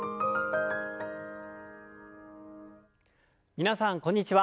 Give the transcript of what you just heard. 皆さんこんにちは。